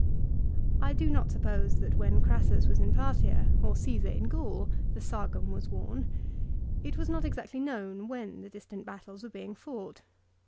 I do not suppose that when Crassus was in Parthia, or Csesar in Gaul, the " sagum " was worn. It was not exactly known when the distant battles were being fought.